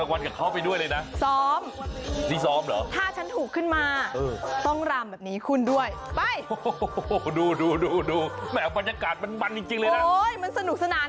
ว่าเขาแหตรวงมาแก้บนกันขนาดไหน